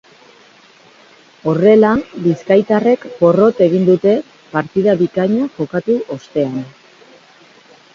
Horrela, bizkaitarrek porrot egin dute partida bikaina jokatu ostean.